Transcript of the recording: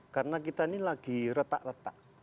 karena kita ini lagi retak retak